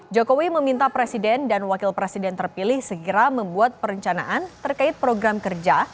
jokowi meminta presiden dan wakil presiden terpilih segera membuat perencanaan terkait program kerja